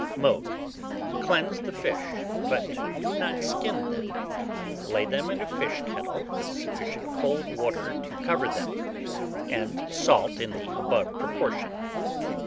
Mode. Cleanse the fish, but do not skin them; lay them in a fish kettle, with sufficient cold water to cover them, and salt in the above proportion.